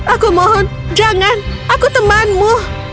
aku mohon jangan aku temanmu